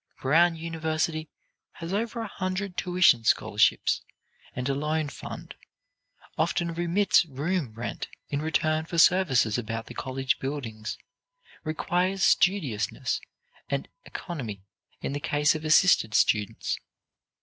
Brown University has over a hundred tuition scholarships and a loan fund; often remits room rent in return for services about the college buildings; requires studiousness and economy in the case of assisted students.